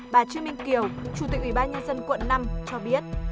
bà trương minh kiều chủ tịch ủy ban nhân dân quận năm cho biết